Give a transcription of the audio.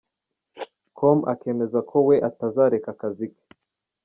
com akemeza ko we atazareka akazi ke.